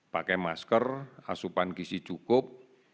pakai masker asupan gisi cukup